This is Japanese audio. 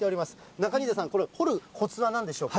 中新井田さん、これ、掘るこつはなんでしょうか。